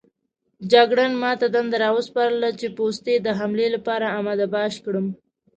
جګړن ما ته دنده راوسپارله چې پوستې د حملې لپاره اماده باش کړم.